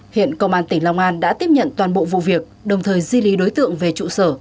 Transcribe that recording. hiện công an tỉnh long an đã tiếp nhận toàn bộ vụ việc đồng thời di lý đối tượng về trụ sở